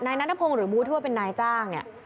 นัทพงศ์หรือบูธที่ว่าเป็นนายจ้างเนี่ย